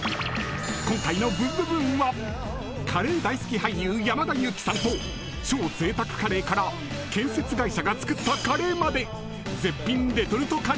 ［今回の『ブンブブーン！』はカレー大好き俳優山田裕貴さんと超ぜいたくカレーから建設会社が作ったカレーまで絶品レトルトカレーが大集合！］